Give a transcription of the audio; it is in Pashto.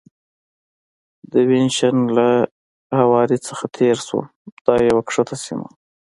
د وینیشن له هوارې نه تېر شوم، دا یوه کښته سیمه وه.